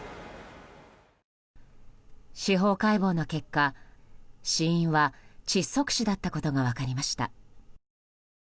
司法解剖の結果死因は窒息死だったことが分かりました。